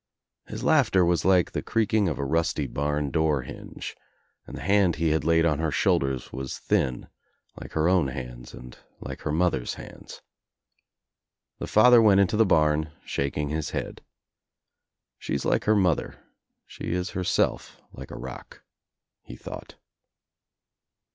His laughter was like the creaking of a rusty bam door hinge and the hand he had laid on her shoulders was thin like her own hands and like her mother's hands. The father went into the barn shaking his head. "She's like her mother. She is herself like a rock," he thought.